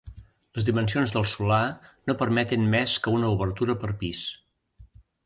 Les dimensions del solar no permeten més que una obertura per pis.